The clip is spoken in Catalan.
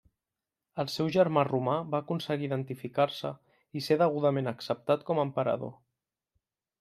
El seu germà Romà va aconseguir identificar-se i ser degudament acceptat com a emperador.